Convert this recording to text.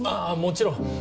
あぁもちろん。